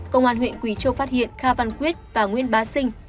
công an huyện quỳ châu phát hiện kha văn quyết và nguyên bá sinh